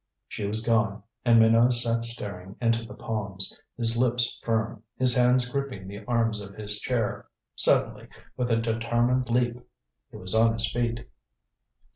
She was gone, and Minot sat staring into the palms, his lips firm, his hands gripping the arms of his chair. Suddenly, with a determined leap, he was on his feet.